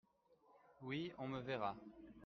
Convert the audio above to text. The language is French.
Oui, on me verra.